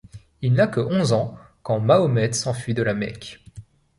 Il n'a que onze ans quand Mahomet s'enfuit de la Mecque.